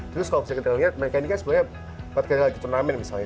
terus kalau misalnya kita lihat mereka ini kan sebenarnya empat kali lagi turnamen misalnya